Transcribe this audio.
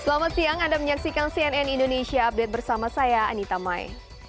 selamat siang anda menyaksikan cnn indonesia update bersama saya anita mai